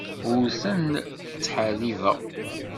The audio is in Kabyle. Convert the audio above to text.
Ur ten-ttḥeṛṛibeɣ.